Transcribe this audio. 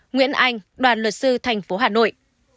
nguyễn anh đoàn luật sư thành phố hà nội